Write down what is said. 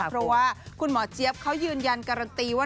เพราะว่าคุณหมอเจี๊ยบเขายืนยันการันตีว่า